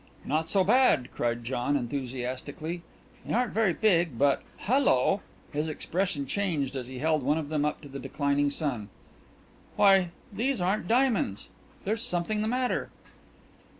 "Not so bad," cried John enthusiastically. "They aren't very big, but Hello!" His expression changed as he held one of them up to the declining sun. "Why, these aren't diamonds! There's something the matter!"